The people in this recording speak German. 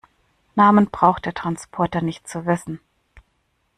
Namen braucht der Transporter nicht zu wissen.